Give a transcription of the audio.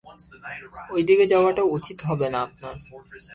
ঐদিকে যাওয়াটা উচিৎ হবে না আপনার।